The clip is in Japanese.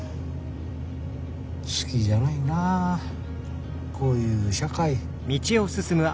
好きじゃないなこういう社会。